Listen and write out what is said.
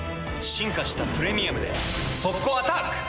進化した「プレミアム」で速攻アタック！